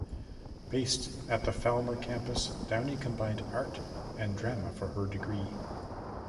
Based at the Falmer campus Downey combined Art and Drama for her degree.